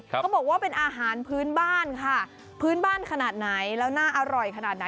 เขาบอกว่าเป็นอาหารพื้นบ้านค่ะพื้นบ้านขนาดไหนแล้วน่าอร่อยขนาดไหน